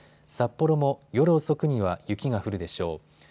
札幌も夜遅くには雪が降るでしょう。